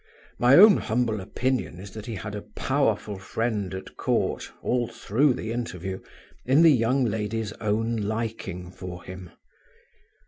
My own humble opinion is that he had a powerful friend at court, all through the interview, in the young lady's own liking for him.